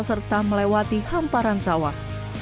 serta melewati hamparan sawah